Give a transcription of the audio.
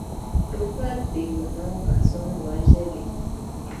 توپک بیګناه کسان وژلي.